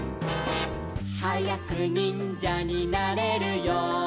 「はやくにんじゃになれるように」